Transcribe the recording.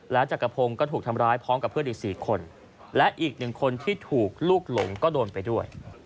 จักรพงศ์ก็ถูกทำร้ายพร้อมกับเพื่อนอีก๔คนและอีกหนึ่งคนที่ถูกลูกหลงก็โดนไปด้วย